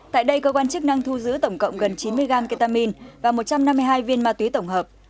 tại đây cơ quan chức năng thu giữ tổng cộng gần chín mươi gram ketamine và một trăm năm mươi hai viên ma túy tổng hợp